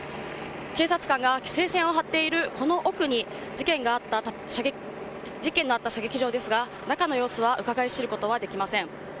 警察官が紀勢線を張っているこの奥に事件があった射撃場がありますが中の様子はうかがい知ることはできません。